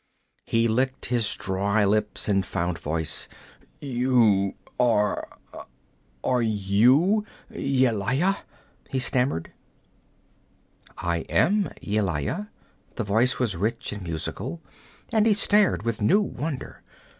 He licked his dry lips and found voice. 'You are are you Yelaya?' he stammered. 'I am Yelaya!' The voice was rich and musical, and he stared with new wonder.